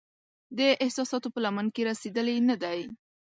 د احساساتو په لمن کې رسیدلې نه دی